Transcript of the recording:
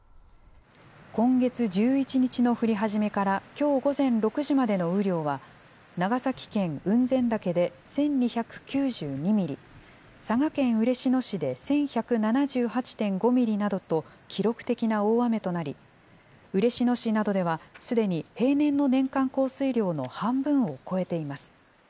今月１１日の降り始めからきょう午前６時までの雨量は、長崎県雲仙岳で１２９２ミリ、佐賀県嬉野市で１１７８．５ミリなどと、記録的な大雨となり、嬉野市などでは、すでに平年の年間降水量の半分を超えています。